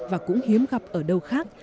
và cũng hiếm gặp ở đâu khác